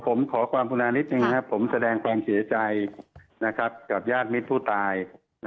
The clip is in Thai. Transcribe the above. ผมขอความคุณานิดนึงผมแสดงความเสียใจกับญาติมิตรผู้ตาย